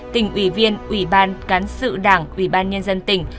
tỉnh ủy viên ubnd cán sự đảng ubnd tỉnh